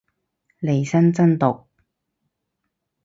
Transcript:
利申真毒